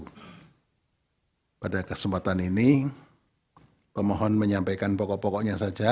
jadi pada kesempatan ini pemohon menyampaikan pokok pokoknya saja